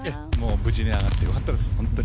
無事に上がってよかったです。